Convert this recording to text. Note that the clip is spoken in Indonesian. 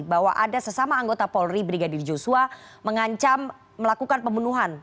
bahwa ada sesama anggota polri brigadir joshua mengancam melakukan pembunuhan